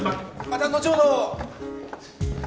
また後ほど。